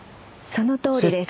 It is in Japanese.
そのとおりです。